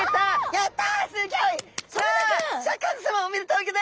やった！